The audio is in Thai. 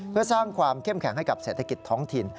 เพื่อสร้างความเข้มแข็งให้กับเศรษฐกิจท้องถิ่น